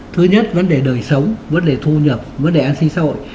thứ nhất vấn đề đời sống vấn đề thu nhập vấn đề an sinh xã hội